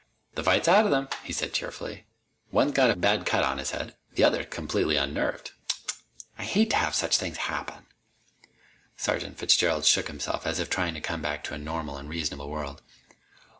"The fight's out of them," he said cheerfully. "One's got a bad cut on his head. The other's completely unnerved. Tsk! Tsk! I hate to have such things happen!" Sergeant Fitzgerald shook himself, as if trying to come back to a normal and a reasonable world.